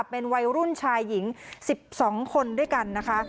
เป็นวัยรุ่นชายหญิง๑๒คนด้วยกันนะคะ